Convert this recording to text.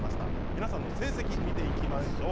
皆さんの成績を見ていきましょう。